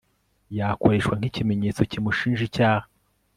yakoreshwa nk ikimenyetso kimushinja icyaha